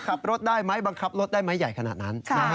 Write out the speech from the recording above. ขับรถได้ไหมบังคับรถได้ไหมใหญ่ขนาดนั้น